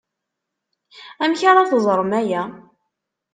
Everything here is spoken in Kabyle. Amek ara teẓrem aya?